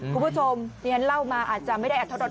ผู้ชมนี่การเล่ามาอาจจะไม่ได้อัธรรม